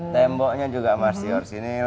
temboknya juga masih orisinil